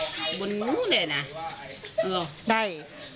ตอนนี้ได้นะ